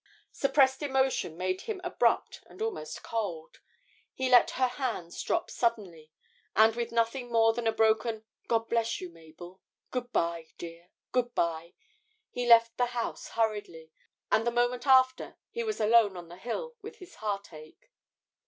Suppressed emotion made him abrupt and almost cold, he let her hands drop suddenly, and with nothing more than a broken 'God bless you, Mabel, good bye, dear, good bye!' he left the house hurriedly, and the moment after he was alone on the hill with his heartache.